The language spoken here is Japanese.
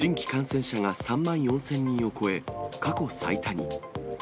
１８日には、新規感染者が３万４０００人を超え過去最多に。